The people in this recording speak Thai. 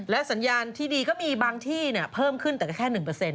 สัญญาณที่ดีก็มีบางที่เพิ่มขึ้นแต่ก็แค่๑